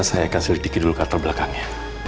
saya akan selidiki dulu kartel belakangnya